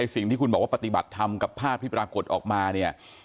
สิ่งที่คุณบอกว่าปฏิบัติธรรมกับภาพที่ปรากฏออกมาเนี่ย